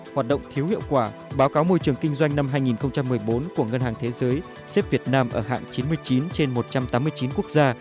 kết quả báo cáo môi trường kinh doanh năm hai nghìn một mươi bốn của ngân hàng thế giới xếp việt nam ở hạng chín mươi chín trên một trăm tám mươi chín quốc gia